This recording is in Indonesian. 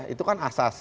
itu kan asas